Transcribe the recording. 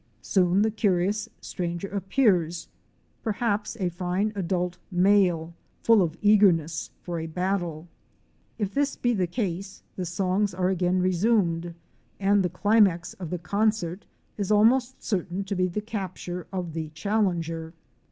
Soon the curious stranger appears, per haps a fine adult male, full of eagerness for a battle. If this be the case the songs are again resumed, and the climax of the concert is almost certain to be the capture of the chal lenger.